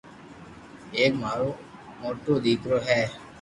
ايڪ مارو موٽو ديڪرو ھي